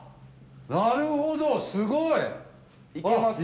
なるほどすごい！いけますね。